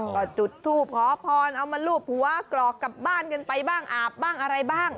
ก็จุดทูปขอพรเอามารูปหัวกรอกกลับบ้านกันไปบ้างอาบบ้างอะไรบ้าง